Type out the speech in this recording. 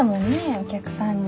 お客さんに。